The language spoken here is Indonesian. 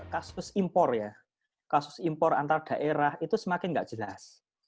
kasus impor ya kasus impor antar daerah itu semakin nggak jelas